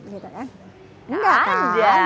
gitu ya enggak kan